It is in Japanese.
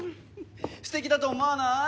すてきだと思わない？